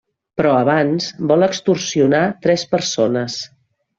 Però abans vol extorsionar tres persones.